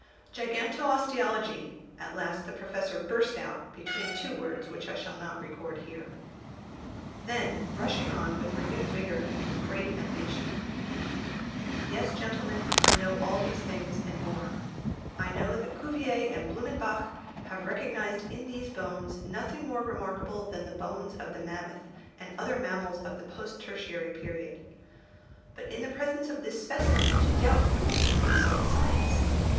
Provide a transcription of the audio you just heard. "Gigantosteologie," at last the Professor burst out, between two words which I shall not record here. Then rushing on with renewed vigour, and with great animation: "Yes, gentlemen, I know all these things, and more. I know that Cuvier and Blumenbach have recognised in these bones nothing more remarkable than the bones of the mammoth and other mammals of the post tertiary period. But in the presence of this specimen to doubt would be to insult science.